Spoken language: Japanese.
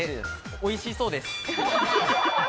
おいしそうです。